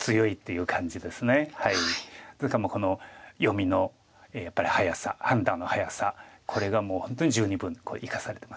というかこの読みのやっぱり早さ判断の早さこれがもう本当に十二分に生かされてます。